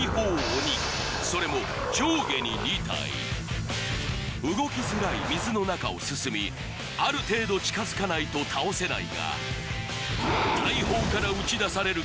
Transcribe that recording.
鬼それも上下に２体動きづらい水の中を進みある程度近づかないと倒せないが大砲から撃ち出される